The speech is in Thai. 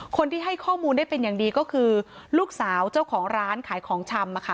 คนที่ให้ข้อมูลได้เป็นอย่างดีก็คือลูกสาวเจ้าของร้านขายของชำ